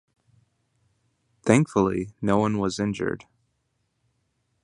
Thankfully, no one was injured.